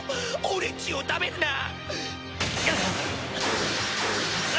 俺っちを食べるな！